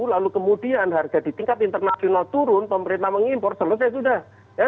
lalu kemudian harga di tingkat internasional turun pemerintah mengimpor selesai sudah